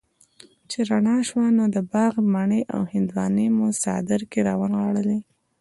چې رڼا شوه نو د باغ مڼې او هندواڼې مو څادر کي را ونغاړلې